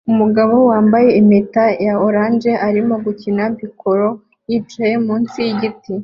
Umugabo wambaye imyenda ya orange arimo gukina piccolo yicaye munsi yigiti